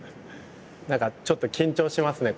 何かちょっと緊張しますね